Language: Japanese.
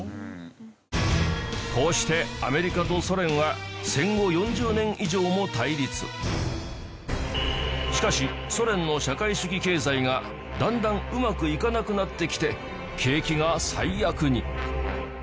こうしてアメリカとソ連は戦後しかしソ連の社会主義経済がだんだんうまくいかなくなってきて景気が最悪に